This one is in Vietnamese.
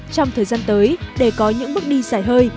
trong thời gian tới để có những bước đi dài hơi